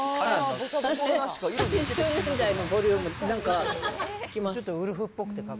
８０年代のボリューム。なんかきます。